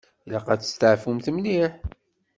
Ilaq ad testeɛfumt mliḥ.